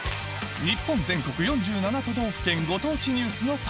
日本全国４７都道府県ご当地ニュースの旅